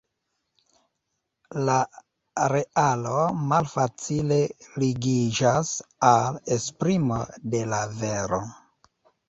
La realo malfacile ligiĝas al esprimo de la vero.